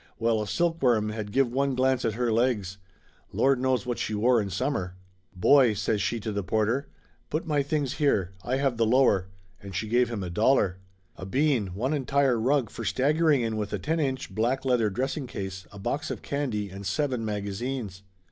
Well, a silkworm had give one glance at her legs. Lord knows what she wore in summer ! "Boy!" says she to the porter. "Put my things here ! I have the lower!" And she gave him a dollar. A bean one entire rug for staggering in with a ten inch black leather dressing case, a box of candy and seven magazines!